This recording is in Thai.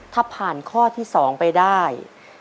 ถ้าผ่านข้อที่๒ไปได้